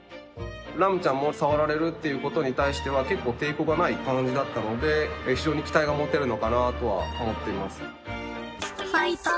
ラムちゃんも触られるっていうことに対しては結構抵抗がない感じだったので非常に期待が持てるのかなとは思っています。